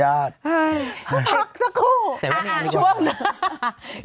หัวพักสักครู่ช่วงหน้า